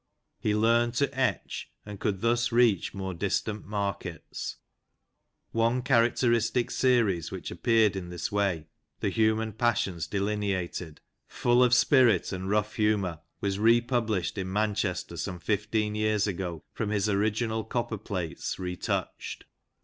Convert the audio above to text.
He learned to etch, and could thus reach more distant markets : one characteristic series which appeared in this way, " The Human Passions delineated," full of spirit and rough humour, was re published in Manchester some fifteen years ago, from his original copper plates re touched.